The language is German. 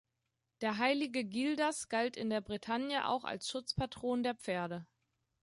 Der heilige Gildas galt in der Bretagne als Schutzpatron der Pferde.